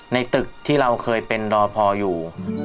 ในตึกที่เราเคยเป็นรอพออยู่